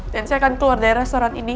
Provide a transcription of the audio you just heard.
dan saya akan keluar dari restoran ini